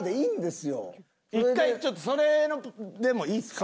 １回ちょっとそれのでもいいですか？